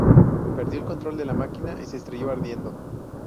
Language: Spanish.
Perdió el control de la máquina y se estrelló ardiendo.